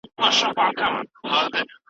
پرمختللي هېوادونه تر موږ مخکي دي.